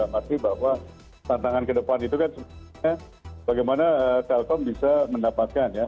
maksudnya bahwa tantangan kedepan itu kan sebenarnya bagaimana telkom bisa mendapatkan ya